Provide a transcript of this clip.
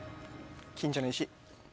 近所の石。